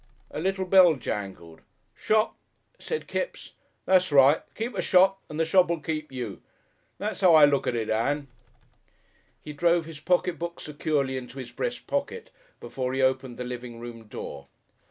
A little bell jangled. "Shop!" said Kipps. "That's right. Keep a shop and the shop'll keep you. That's 'ow I look at it, Ann." He drove his pocket book securely into his breast pocket before he opened the living room door....